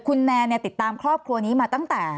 คุณแนนติดตามครอบครัวนี้มาตั้งแต่